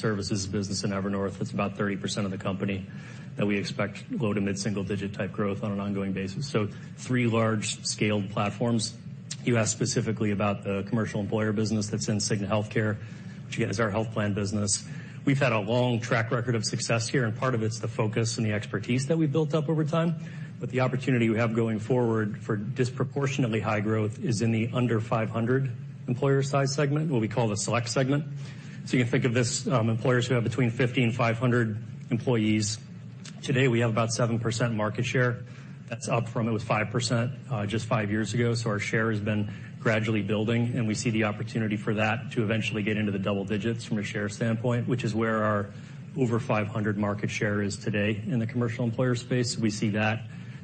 Services business in Evernorth. It's about 30% of the company that we expect low- to mid-single-digit type growth on an ongoing basis. So three large-scale platforms. You asked specifically about the commercial employer business that's in Cigna Healthcare, which again is our health plan business. We've had a long track record of success here, and part of it's the focus and the expertise that we've built up over time. But the opportunity we have going forward for disproportionately high growth is in the under-500 employer size segment, what we call the Select segment. So you can think of these employers who have between 50 and 500 employees. Today we have about 7% market share. That's up from it was 5% just five years ago. So our share has been gradually building, and we see the opportunity for that to eventually get into the double digits from a share standpoint, which is where our over 500 market share is today in the commercial employer space. We see that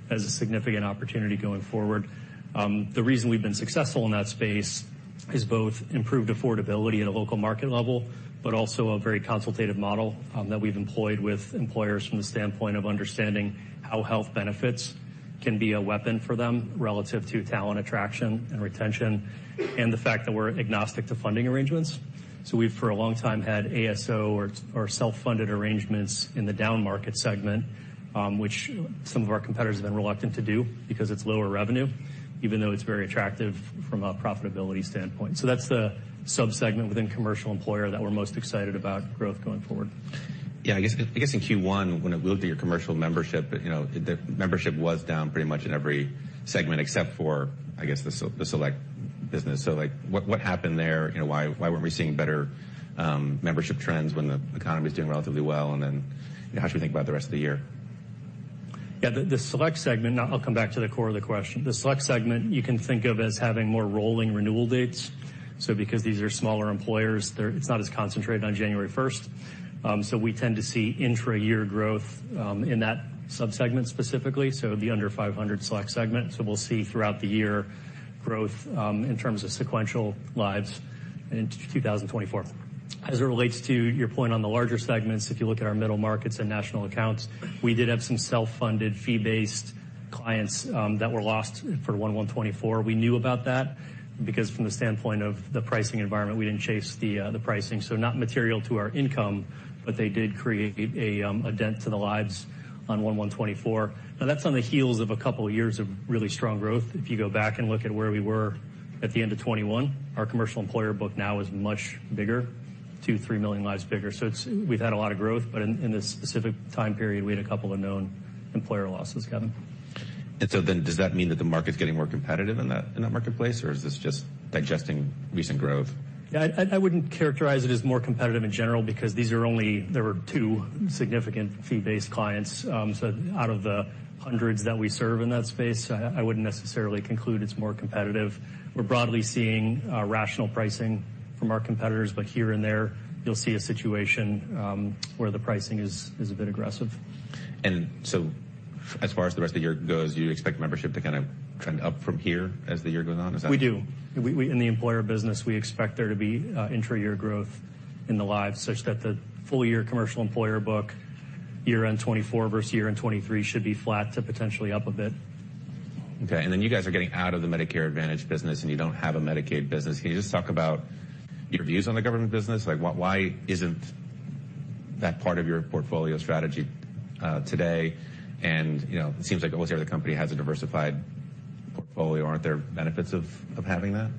as a significant opportunity going forward. The reason we've been successful in that space is both improved affordability at a local market level, but also a very consultative model that we've employed with employers from the standpoint of understanding how health benefits can be a weapon for them relative to talent attraction and retention, and the fact that we're agnostic to funding arrangements. So we've for a long time had ASO or self-funded arrangements in the down market segment, which some of our competitors have been reluctant to do because it's lower revenue, even though it's very attractive from a profitability standpoint. That's the subsegment within commercial employer that we're most excited about growth going forward. Yeah, I guess in Q1, when it looked at your commercial membership, the membership was down pretty much in every segment except for, I guess, the Select business. So what happened there? Why weren't we seeing better membership trends when the economy is doing relatively well? And then how should we think about the rest of the year? Yeah, the Select segment I'll come back to the core of the question. The Select segment, you can think of as having more rolling renewal dates. So because these are smaller employers, it's not as concentrated on January 1st. So we tend to see intra-year growth in that subsegment specifically, so the under 500 Select segment. So we'll see throughout the year growth in terms of sequential lives in 2024. As it relates to your point on the larger segments, if you look at our middle markets and national accounts, we did have some self-funded fee-based clients that were lost for 1/1/2024. We knew about that because from the standpoint of the pricing environment, we didn't chase the pricing. So not material to our income, but they did create a dent to the lives on 1/1/2024. Now, that's on the heels of a couple of years of really strong growth. If you go back and look at where we were at the end of 2021, our commercial employer book now is much bigger, 2 million-3 million lives bigger. So we've had a lot of growth, but in this specific time period, we had a couple of known employer losses, Kevin. Does that mean that the market's getting more competitive in that marketplace, or is this just digesting recent growth? Yeah, I wouldn't characterize it as more competitive in general because there were only two significant fee-based clients. So out of the hundreds that we serve in that space, I wouldn't necessarily conclude it's more competitive. We're broadly seeing rational pricing from our competitors, but here and there, you'll see a situation where the pricing is a bit aggressive. And so as far as the rest of the year goes, you expect membership to kind of trend up from here as the year goes on? Is that? We do. In the employer business, we expect there to be intra-year growth in the lives such that the full year commercial employer book, year end 2024 versus year end 2023, should be flat to potentially up a bit. Okay. Then you guys are getting out of the Medicare Advantage business, and you don't have a Medicaid business. Can you just talk about your views on the government business? Why isn't that part of your portfolio strategy today? It seems like almost every company has a diversified portfolio. Aren't there benefits of having that?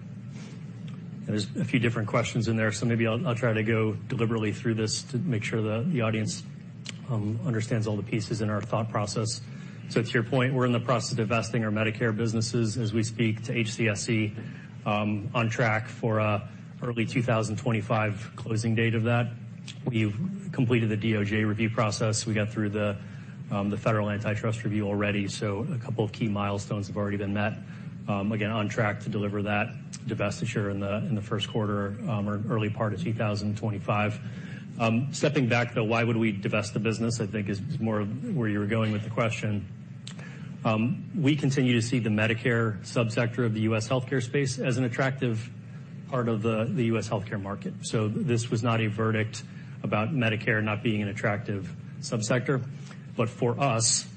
There's a few different questions in there, so maybe I'll try to go deliberately through this to make sure the audience understands all the pieces in our thought process. So to your point, we're in the process of divesting our Medicare businesses as we speak to HCSC on track for an early 2025 closing date of that. We've completed the DOJ review process. We got through the federal antitrust review already, so a couple of key milestones have already been met. Again, on track to deliver that divestiture in the first quarter or early part of 2025. Stepping back, though, why would we divest the business? I think is more where you were going with the question. We continue to see the Medicare subsector of the U.S. healthcare space as an attractive part of the U.S. healthcare market. So this was not a verdict about Medicare not being an attractive subsector. But for us,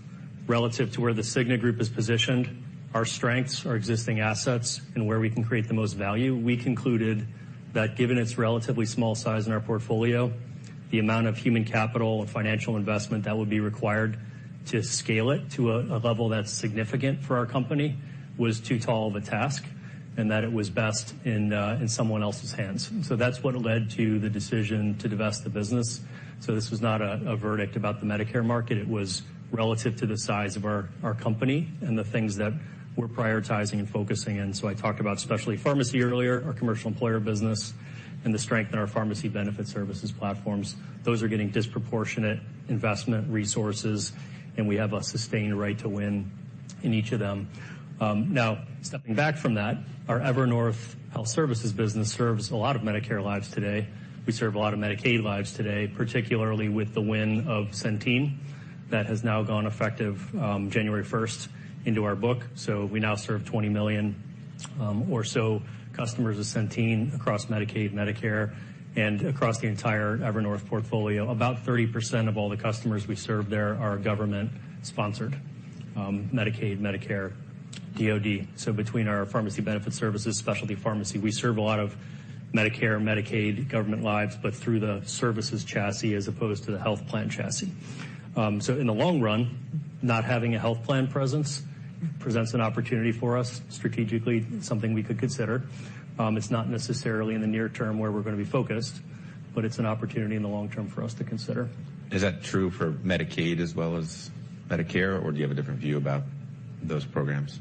relative to where the Cigna Group is positioned, our strengths are existing assets and where we can create the most value. We concluded that given its relatively small size in our portfolio, the amount of human capital and financial investment that would be required to scale it to a level that's significant for our company was too tall of a task and that it was best in someone else's hands. So that's what led to the decision to divest the business. So this was not a verdict about the Medicare market. It was relative to the size of our company and the things that we're prioritizing and focusing on. So I talked about especially pharmacy earlier, our commercial employer business, and the strength in our pharmacy benefit services platforms. Those are getting disproportionate investment resources, and we have a sustained right to win in each of them. Now, stepping back from that, our Evernorth Health Services business serves a lot of Medicare lives today. We serve a lot of Medicaid lives today, particularly with the win of Centene that has now gone effective January 1st into our book. So we now serve 20 million or so customers of Centene across Medicaid, Medicare, and across the entire Evernorth portfolio. About 30% of all the customers we serve there are government-sponsored Medicaid, Medicare, DOD. So between our pharmacy benefit services, specialty pharmacy, we serve a lot of Medicare, Medicaid, government lives, but through the services chassis as opposed to the health plan chassis. So in the long run, not having a health plan presence presents an opportunity for us strategically, something we could consider. It's not necessarily in the near term where we're going to be focused, but it's an opportunity in the long term for us to consider. Is that true for Medicaid as well as Medicare, or do you have a different view about those programs?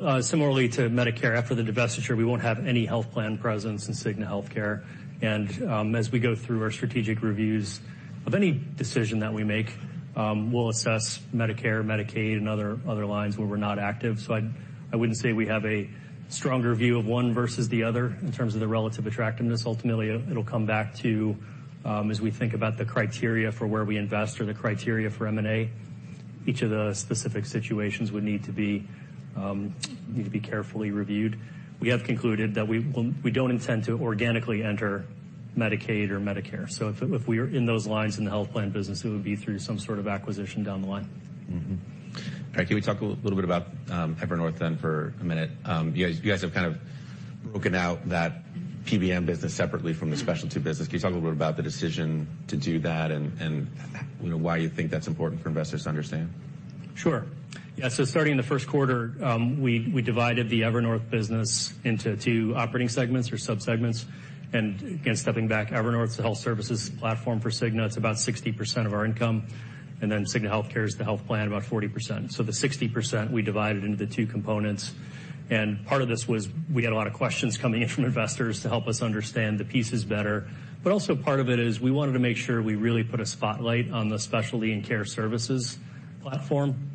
Well, similarly to Medicare, after the divestiture, we won't have any health plan presence in Cigna Healthcare. As we go through our strategic reviews of any decision that we make, we'll assess Medicare, Medicaid, and other lines where we're not active. I wouldn't say we have a stronger view of one versus the other in terms of the relative attractiveness. Ultimately, it'll come back to as we think about the criteria for where we invest or the criteria for M&A, each of the specific situations would need to be carefully reviewed. We have concluded that we don't intend to organically enter Medicaid or Medicare. So if we are in those lines in the health plan business, it would be through some sort of acquisition down the line. All right. Can we talk a little bit about Evernorth then for a minute? You guys have kind of broken out that PBM business separately from the specialty business. Can you talk a little bit about the decision to do that and why you think that's important for investors to understand? Sure. Yeah. So starting in the first quarter, we divided the Evernorth business into two operating segments or subsegments. And again, stepping back, Evernorth is the health services platform for Cigna. It's about 60% of our income. And then Cigna Healthcare is the health plan, about 40%. So the 60%, we divided into the two components. And part of this was we had a lot of questions coming in from investors to help us understand the pieces better. But also part of it is we wanted to make sure we really put a spotlight on the specialty and care services platform,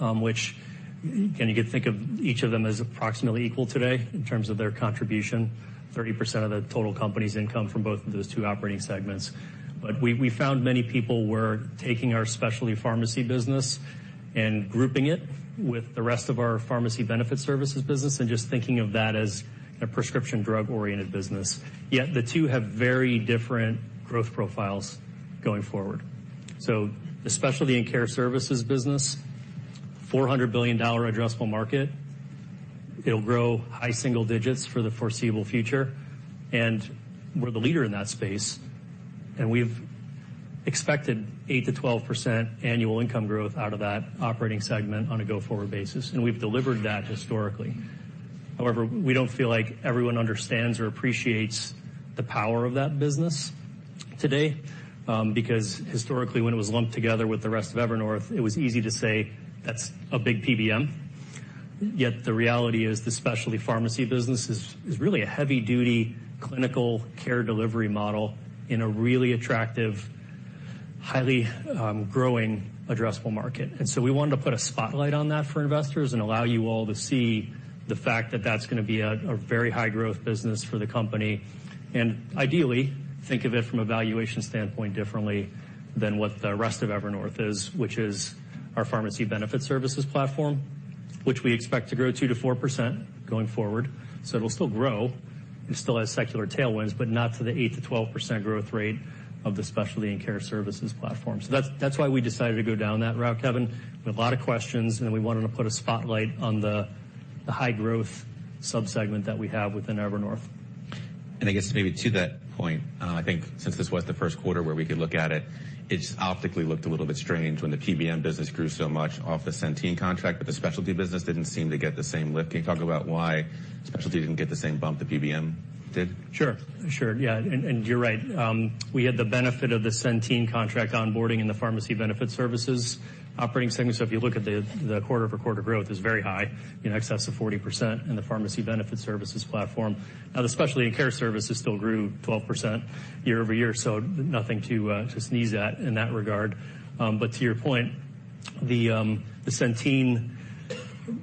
which can you think of each of them as approximately equal today in terms of their contribution, 30% of the total company's income from both of those two operating segments? But we found many people were taking our specialty pharmacy business and grouping it with the rest of our pharmacy benefit services business and just thinking of that as a prescription drug-oriented business. Yet the two have very different growth profiles going forward. So the specialty and care services business, $400 billion addressable market, it'll grow high single digits for the foreseeable future. And we're the leader in that space, and we've expected 8%-12% annual income growth out of that operating segment on a go-forward basis. And we've delivered that historically. However, we don't feel like everyone understands or appreciates the power of that business today because historically, when it was lumped together with the rest of Evernorth, it was easy to say that's a big PBM. Yet the reality is the specialty pharmacy business is really a heavy-duty clinical care delivery model in a really attractive, highly growing addressable market. And so we wanted to put a spotlight on that for investors and allow you all to see the fact that that's going to be a very high growth business for the company. And ideally, think of it from a valuation standpoint differently than what the rest of Evernorth is, which is our pharmacy benefit services platform, which we expect to grow 2%-4% going forward. So it'll still grow and still has secular tailwinds, but not to the 8%-12% growth rate of the specialty and care services platform. So that's why we decided to go down that route, Kevin, with a lot of questions. We wanted to put a spotlight on the high growth subsegment that we have within Evernorth. I guess maybe to that point, I think since this was the first quarter where we could look at it, it just optically looked a little bit strange when the PBM business grew so much off the Centene contract, but the specialty business didn't seem to get the same lift. Can you talk about why specialty didn't get the same bump the PBM did? Sure. Sure. Yeah. And you're right. We had the benefit of the Centene contract onboarding in the pharmacy benefit services operating segment. So if you look at the quarter-for-quarter growth, it's very high, in excess of 40% in the pharmacy benefit services platform. Now, the specialty and care services still grew 12% year-over-year, so nothing to sneeze at in that regard. But to your point, the Centene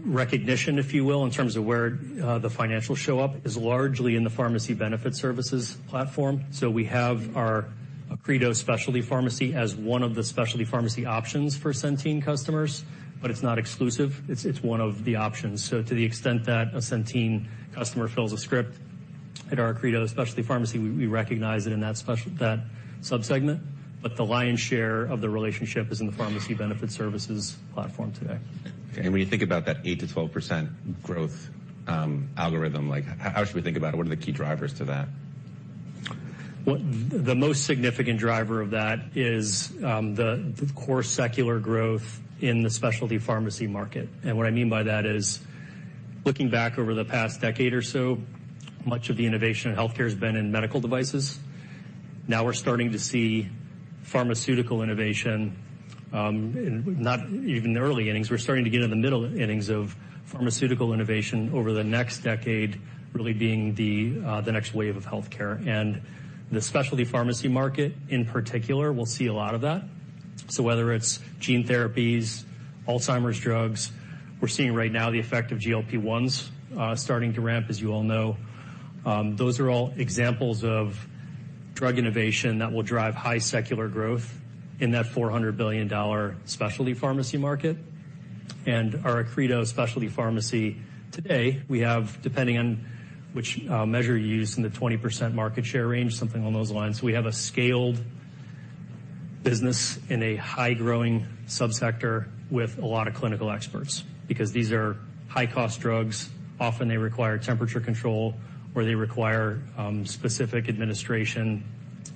recognition, if you will, in terms of where the financials show up, is largely in the pharmacy benefit services platform. So we have our Accredo specialty pharmacy as one of the specialty pharmacy options for Centene customers, but it's not exclusive. It's one of the options. So to the extent that a Centene customer fills a script at our Accredo specialty pharmacy, we recognize it in that subsegment. But the lion's share of the relationship is in the pharmacy benefit services platform today. When you think about that 8%-12% growth algorithm, how should we think about it? What are the key drivers to that? The most significant driver of that is the core secular growth in the specialty pharmacy market. What I mean by that is looking back over the past decade or so, much of the innovation in healthcare has been in medical devices. Now we're starting to see pharmaceutical innovation not even in the early innings. We're starting to get in the middle innings of pharmaceutical innovation over the next decade, really being the next wave of healthcare. The specialty pharmacy market in particular will see a lot of that. So whether it's gene therapies, Alzheimer's drugs, we're seeing right now the effect of GLP-1s starting to ramp, as you all know. Those are all examples of drug innovation that will drive high secular growth in that $400 billion specialty pharmacy market. Our Accredo specialty pharmacy today, we have, depending on which measure you use, a 20% market share range, something along those lines. We have a scaled business in a high-growing subsector with a lot of clinical experts because these are high-cost drugs. Often, they require temperature control or they require specific administration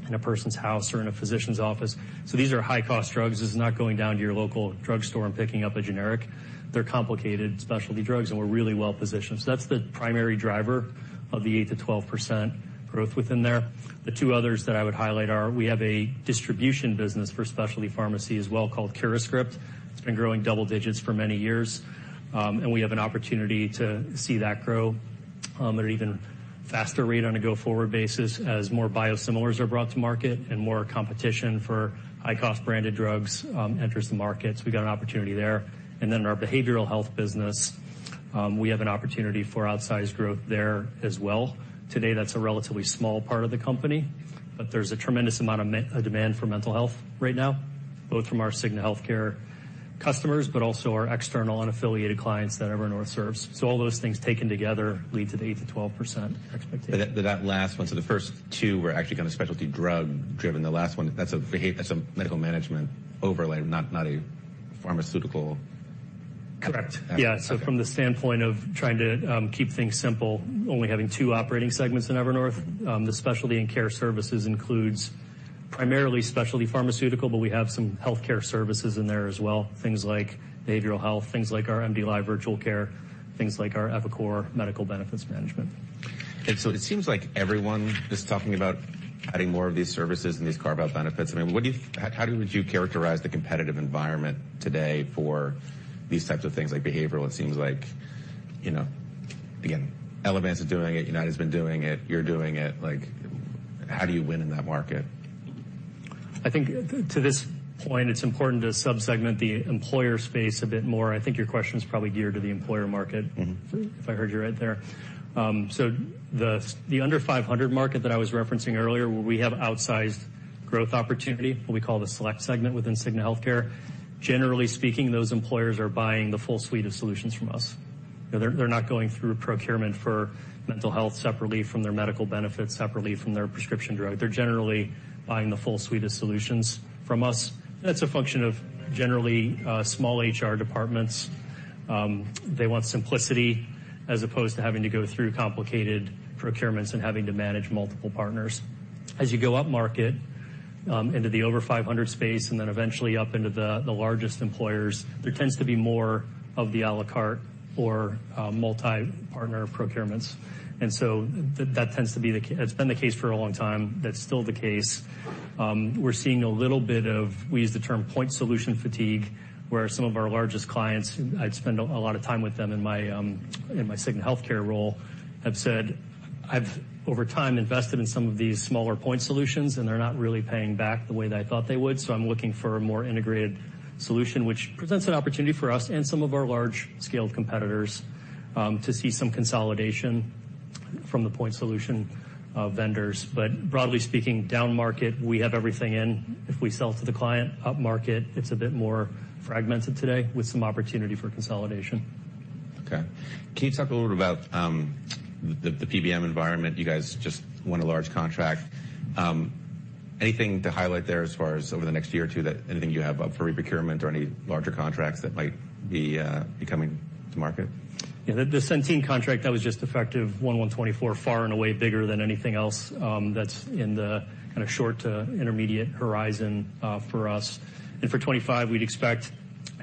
in a person's house or in a physician's office. So these are high-cost drugs. This is not going down to your local drugstore and picking up a generic. They're complicated specialty drugs, and we're really well positioned. So that's the primary driver of the 8%-12% growth within there. The two others that I would highlight are we have a distribution business for specialty pharmacy as well called CuraScript. It's been growing double digits for many years. We have an opportunity to see that grow at an even faster rate on a go-forward basis as more biosimilars are brought to market and more competition for high-cost branded drugs enters the market. So we've got an opportunity there. And then in our behavioral health business, we have an opportunity for outsized growth there as well. Today, that's a relatively small part of the company, but there's a tremendous amount of demand for mental health right now, both from our Cigna Healthcare customers, but also our external and affiliated clients that Evernorth serves. So all those things taken together lead to the 8%-12% expectation. But that last one, so the first two were actually kind of specialty drug-driven. The last one, that's a medical management overlay, not a pharmaceutical. Correct. Yeah. So from the standpoint of trying to keep things simple, only having two operating segments in Evernorth, the specialty and care services includes primarily specialty pharmaceutical, but we have some healthcare services in there as well, things like behavioral health, things like our MDLIVE virtual care, things like our eviCore medical benefits management. It seems like everyone is talking about adding more of these services and these carve-out benefits. I mean, how would you characterize the competitive environment today for these types of things like behavioral? It seems like, again, Elevance is doing it. United's been doing it. You're doing it. How do you win in that market? I think to this point, it's important to subsegment the employer space a bit more. I think your question's probably geared to the employer market, if I heard you right there. So the under-500 market that I was referencing earlier, where we have outsized growth opportunity, what we call the Select segment within Cigna Healthcare, generally speaking, those employers are buying the full suite of solutions from us. They're not going through procurement for mental health separately from their medical benefits, separately from their prescription drug. They're generally buying the full suite of solutions from us. That's a function of generally small HR departments. They want simplicity as opposed to having to go through complicated procurements and having to manage multiple partners. As you go up market into the over-500 space and then eventually up into the largest employers, there tends to be more of the à la carte or multi-partner procurements. And so that tends to be that's been the case for a long time. That's still the case. We're seeing a little bit of, we use the term point solution fatigue, where some of our largest clients—I'd spend a lot of time with them in my Cigna Healthcare role—have said, "I've over time invested in some of these smaller point solutions, and they're not really paying back the way that I thought they would. So I'm looking for a more integrated solution," which presents an opportunity for us and some of our large-scaled competitors to see some consolidation from the point solution vendors. But broadly speaking, down market, we have everything in. If we sell to the client, up market, it's a bit more fragmented today with some opportunity for consolidation. Okay. Can you talk a little bit about the PBM environment? You guys just won a large contract. Anything to highlight there as far as over the next year or two that anything you have up for reprocurement or any larger contracts that might be coming to market? Yeah. The Centene contract, that was just effective 1/1/2024, far and away bigger than anything else that's in the kind of short to intermediate horizon for us. And for 2025, we'd expect,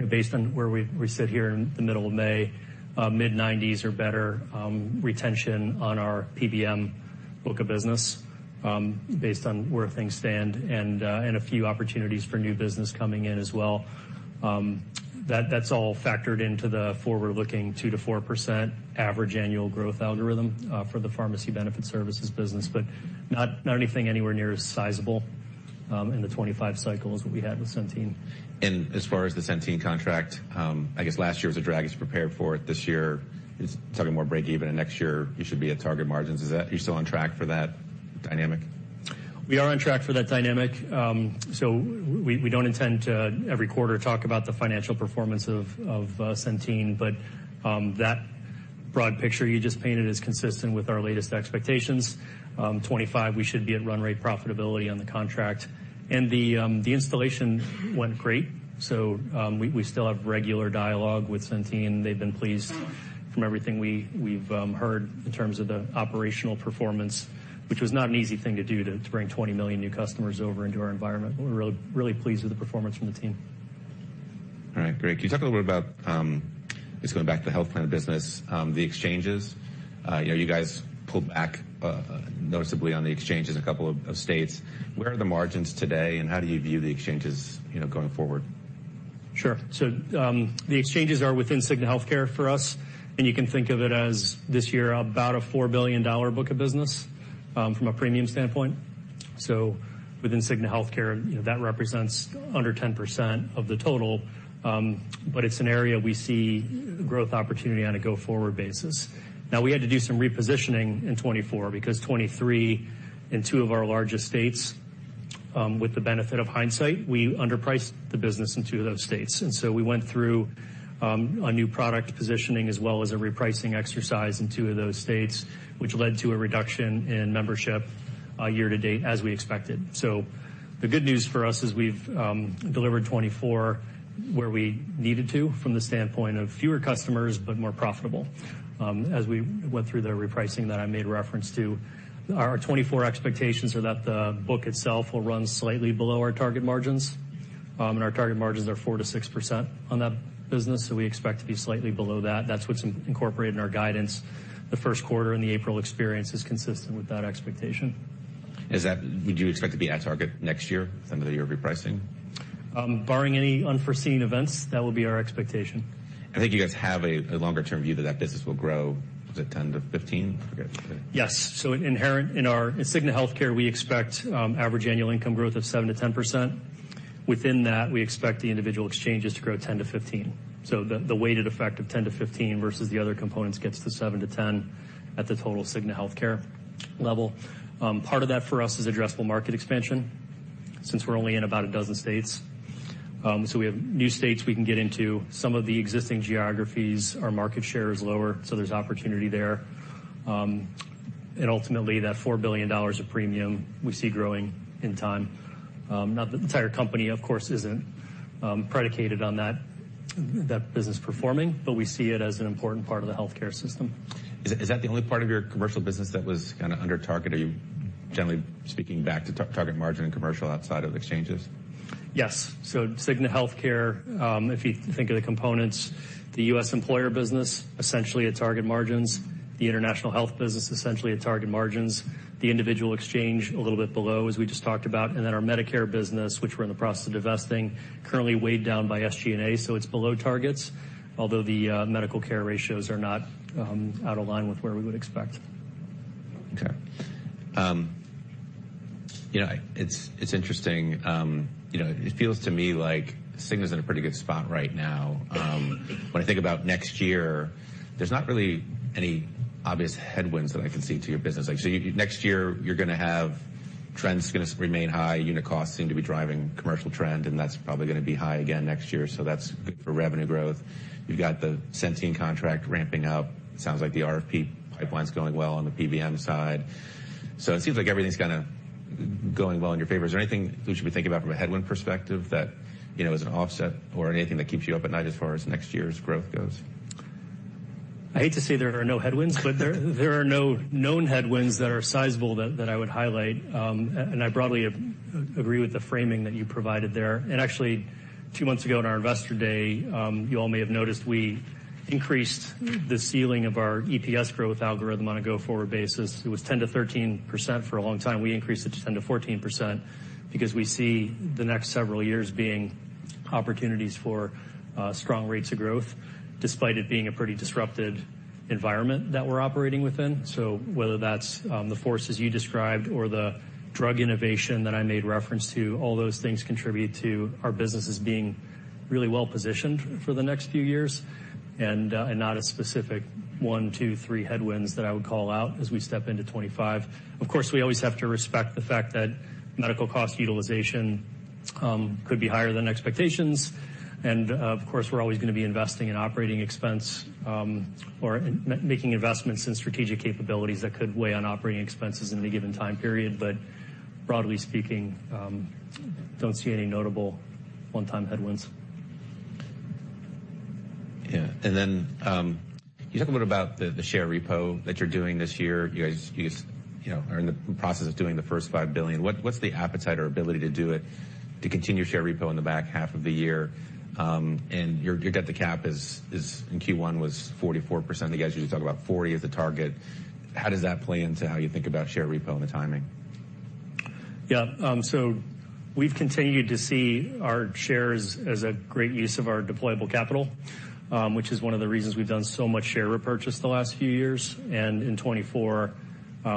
based on where we sit here in the middle of May, mid-90s% or better retention on our PBM book of business based on where things stand and a few opportunities for new business coming in as well. That's all factored into the forward-looking 2%-4% average annual growth algorithm for the pharmacy benefit services business, but not anything anywhere near as sizable in the 2025 cycle as what we had with Centene. As far as the Centene contract, I guess last year was a drag. You prepared for it. This year, it's talking more break-even. Next year, you should be at target margins. Are you still on track for that dynamic? We are on track for that dynamic. So we don't intend to every quarter talk about the financial performance of Centene. But that broad picture you just painted is consistent with our latest expectations. 2025, we should be at run-rate profitability on the contract. And the installation went great. So we still have regular dialogue with Centene. They've been pleased from everything we've heard in terms of the operational performance, which was not an easy thing to do, to bring 20 million new customers over into our environment. We're really pleased with the performance from the team. All right. Great. Can you talk a little bit about just going back to the health plan business, the exchanges? You guys pulled back noticeably on the exchanges in a couple of states. Where are the margins today, and how do you view the exchanges going forward? Sure. So the exchanges are within Cigna Healthcare for us. And you can think of it as this year, about a $4 billion book of business from a premium standpoint. So within Cigna Healthcare, that represents under 10% of the total. But it's an area we see growth opportunity on a go-forward basis. Now, we had to do some repositioning in 2024 because 2023, in two of our largest states, with the benefit of hindsight, we underpriced the business in two of those states. And so we went through a new product positioning as well as a repricing exercise in two of those states, which led to a reduction in membership year to date as we expected. So the good news for us is we've delivered 2024 where we needed to from the standpoint of fewer customers but more profitable. As we went through the repricing that I made reference to, our 2024 expectations are that the book itself will run slightly below our target margins. Our target margins are 4%-6% on that business. We expect to be slightly below that. That's what's incorporated in our guidance. The first quarter and the April experience is consistent with that expectation. Would you expect to be at target next year under the year of repricing? Barring any unforeseen events, that will be our expectation. I think you guys have a longer-term view that that business will grow. Was it 10-15? Yes. So inherent in Cigna Healthcare, we expect average annual income growth of 7%-10%. Within that, we expect the individual exchanges to grow 10%-15%. So the weighted effect of 10%-15% versus the other components gets to 7%-10% at the total Cigna Healthcare level. Part of that for us is addressable market expansion since we're only in about a dozen states. So we have new states we can get into. Some of the existing geographies, our market share is lower, so there's opportunity there. And ultimately, that $4 billion of premium, we see growing in time. Now, the entire company, of course, isn't predicated on that business performing, but we see it as an important part of the healthcare system. Is that the only part of your commercial business that was kind of under target? Are you generally speaking back to target margin and commercial outside of exchanges? Yes. So Cigna Healthcare, if you think of the components, the U.S. employer business, essentially at target margins. The international health business, essentially at target margins. The individual exchange, a little bit below, as we just talked about. And then our Medicare business, which we're in the process of divesting, currently weighed down by SG&A. So it's below targets, although the medical care ratios are not out of line with where we would expect. Okay. It's interesting. It feels to me like Cigna's in a pretty good spot right now. When I think about next year, there's not really any obvious headwinds that I can see to your business. So next year, you're going to have trends going to remain high. Unit costs seem to be driving commercial trend, and that's probably going to be high again next year. So that's good for revenue growth. You've got the Centene contract ramping up. Sounds like the RFP pipeline's going well on the PBM side. So it seems like everything's kind of going well in your favor. Is there anything we should be thinking about from a headwind perspective that is an offset or anything that keeps you up at night as far as next year's growth goes? I hate to say there are no headwinds, but there are no known headwinds that are sizable that I would highlight. I broadly agree with the framing that you provided there. Actually, two months ago on our investor day, you all may have noticed we increased the ceiling of our EPS growth algorithm on a go-forward basis. It was 10%-13% for a long time. We increased it to 10%-14% because we see the next several years being opportunities for strong rates of growth despite it being a pretty disrupted environment that we're operating within. So whether that's the forces you described or the drug innovation that I made reference to, all those things contribute to our businesses being really well positioned for the next few years and not a specific one, two, three headwinds that I would call out as we step into 2025. Of course, we always have to respect the fact that medical cost utilization could be higher than expectations. Of course, we're always going to be investing in operating expense or making investments in strategic capabilities that could weigh on operating expenses in any given time period. But broadly speaking, don't see any notable one-time headwinds. Yeah. And then you talk a little bit about the share repo that you're doing this year. You guys are in the process of doing the first $5 billion. What's the appetite or ability to do it, to continue share repo in the back half of the year? And your debt to cap in Q1 was 44%. You guys usually talk about 40% as the target. How does that play into how you think about share repo and the timing? Yeah. So we've continued to see our shares as a great use of our deployable capital, which is one of the reasons we've done so much share repurchase the last few years. And in 2024,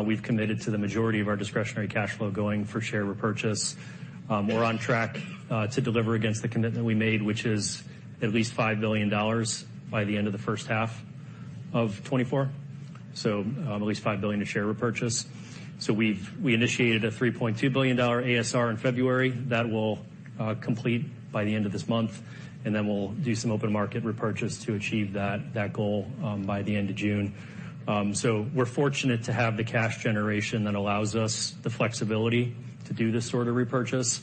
we've committed to the majority of our discretionary cash flow going for share repurchase. We're on track to deliver against the commitment we made, which is at least $5 billion by the end of the first half of 2024, so at least $5 billion to share repurchase. So we initiated a $3.2 billion ASR in February that will complete by the end of this month. And then we'll do some open market repurchase to achieve that goal by the end of June. So we're fortunate to have the cash generation that allows us the flexibility to do this sort of repurchase.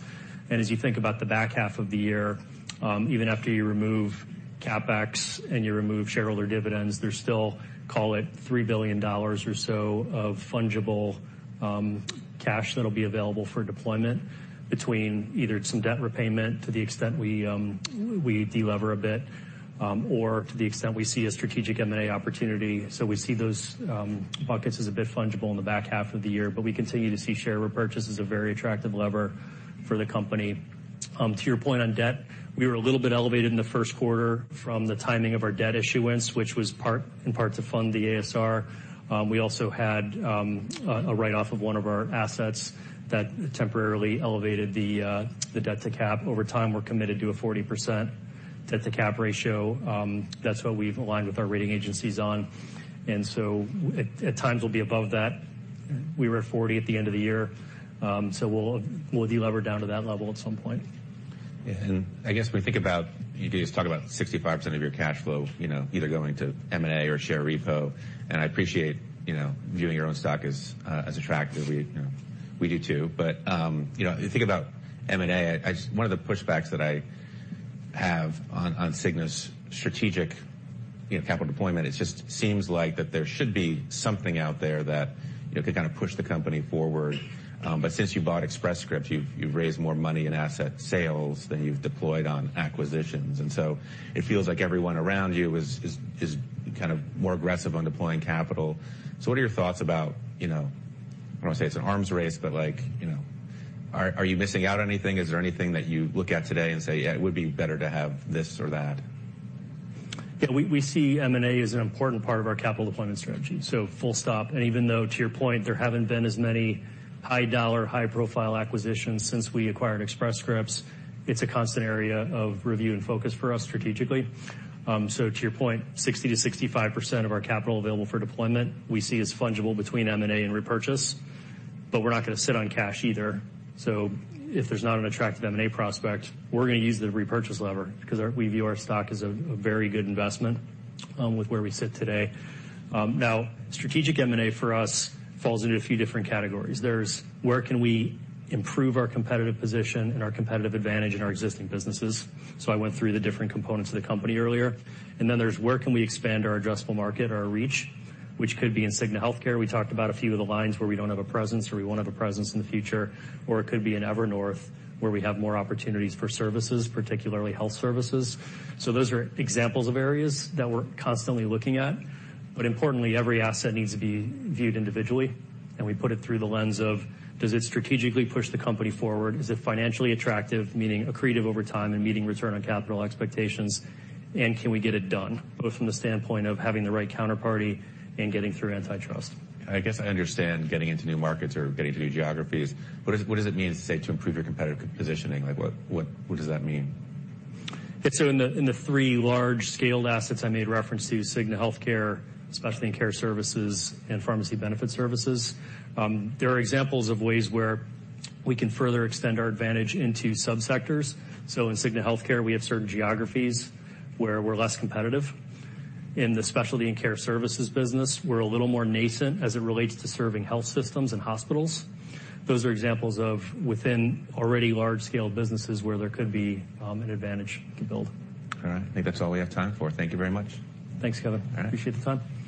As you think about the back half of the year, even after you remove CapEx and you remove shareholder dividends, there's still, call it, $3 billion or so of fungible cash that'll be available for deployment between either some debt repayment to the extent we delever a bit or to the extent we see a strategic M&A opportunity. So we see those buckets as a bit fungible in the back half of the year. But we continue to see share repurchase as a very attractive lever for the company. To your point on debt, we were a little bit elevated in the first quarter from the timing of our debt issuance, which was in part to fund the ASR. We also had a write-off of one of our assets that temporarily elevated the debt to cap. Over time, we're committed to a 40% debt to cap ratio. That's what we've aligned with our rating agencies on. And so at times, we'll be above that. We were at 40 at the end of the year. So we'll delever down to that level at some point. Yeah. And I guess when we think about you guys talk about 65% of your cash flow either going to M&A or share repo. And I appreciate viewing your own stock as attractive. We do too. But you think about M&A, one of the pushbacks that I have on Cigna's strategic capital deployment, it just seems like that there should be something out there that could kind of push the company forward. But since you bought Express Scripts, you've raised more money in asset sales than you've deployed on acquisitions. And so it feels like everyone around you is kind of more aggressive on deploying capital. So what are your thoughts about I don't want to say it's an arms race, but are you missing out on anything? Is there anything that you look at today and say, "Yeah, it would be better to have this or that"? Yeah. We see M&A as an important part of our capital deployment strategy. So full stop. And even though, to your point, there haven't been as many high-dollar, high-profile acquisitions since we acquired Express Scripts, it's a constant area of review and focus for us strategically. So to your point, 60%-65% of our capital available for deployment, we see as fungible between M&A and repurchase. But we're not going to sit on cash either. So if there's not an attractive M&A prospect, we're going to use the repurchase lever because we view our stock as a very good investment with where we sit today. Now, strategic M&A for us falls into a few different categories. There's where can we improve our competitive position and our competitive advantage in our existing businesses? So I went through the different components of the company earlier. Then there's where can we expand our addressable market, our reach, which could be in Cigna Healthcare. We talked about a few of the lines where we don't have a presence or we won't have a presence in the future. Or it could be in Evernorth where we have more opportunities for services, particularly health services. So those are examples of areas that we're constantly looking at. But importantly, every asset needs to be viewed individually. And we put it through the lens of, does it strategically push the company forward? Is it financially attractive, meaning accretive over time and meeting return on capital expectations? And can we get it done, both from the standpoint of having the right counterparty and getting through antitrust? I guess I understand getting into new markets or getting to new geographies. But what does it mean to say to improve your competitive positioning? What does that mean? Yeah. So in the three large-scale assets I made reference to, Cigna Healthcare, especially in care services and pharmacy benefit services, there are examples of ways where we can further extend our advantage into subsectors. So in Cigna Healthcare, we have certain geographies where we're less competitive. In the specialty and care services business, we're a little more nascent as it relates to serving health systems and hospitals. Those are examples of within already large-scale businesses where there could be an advantage to build. All right. I think that's all we have time for. Thank you very much. Thanks, Kevin. Appreciate the time.